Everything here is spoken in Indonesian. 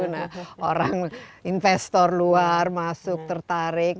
nah orang investor luar masuk tertarik